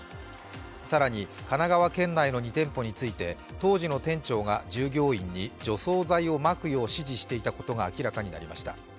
更に神奈川県内の２店舗について、当時の店長が従業員に、除草剤をまくよう指示していたことが明らかになりました。